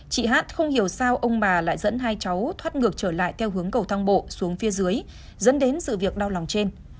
chị hát không hiểu sao ông bà lại dẫn hai cháu thoát ngược trở lại theo hướng cầu thang bộ xuống phía dưới dẫn đến sự việc đau lòng trên